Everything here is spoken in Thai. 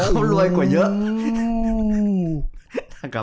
เขารวยกว่าเยอะ